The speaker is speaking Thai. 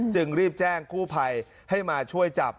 จึงรีบแจ้งกู้ภัยให้มาช่วยจับ